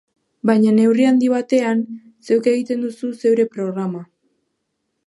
Baina neurri handi batean, zeuk egiten duzu zeure programa.